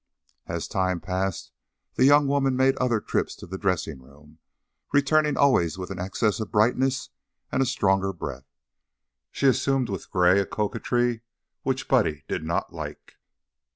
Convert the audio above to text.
As time passed the young woman made other trips to the dressing room, returning always with an access of brightness and a stronger breath; she assumed with Gray a coquetry which Buddy did not like.